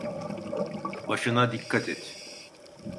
Başına dikkat et.